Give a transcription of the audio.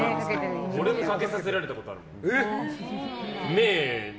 俺もかけさせられたことあるもん。